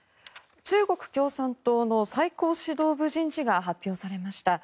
中国共産党の最高指導部人事が発表されました。